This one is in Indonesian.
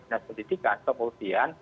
dinas pendidikan kemudian